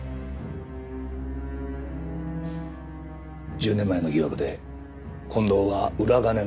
１０年前の疑惑で近藤は裏金の送金係でした。